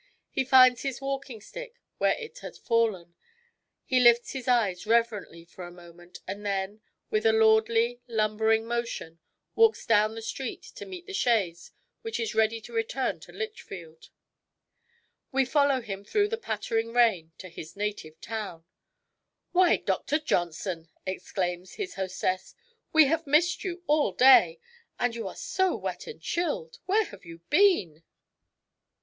He finds his walking stick where it had fallen. He lifts his eyes reverently for a moment, and then, with a lordly, lumbering motion, walks down the street to meet the chaise which is ready to return to Lichfield. We follow him through the pattering rain to his native town. "Why, Dr. Johnson!" exclaims his hostess; DR. JOHNSON AND HIS FATHER 6l "we have missed you all day. And you are so wet and chilled ! Where have you been